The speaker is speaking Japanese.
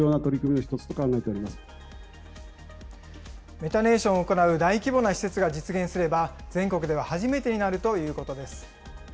メタネーションを行う大規模な施設が実現すれば、全国では初めてになるということです。